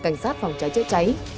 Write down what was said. cảnh sát phòng cháy cháy cháy